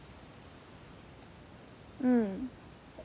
うん。